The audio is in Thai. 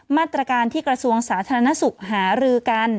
มาตรการที่กระทรวงสาธารณสุขหารือกัน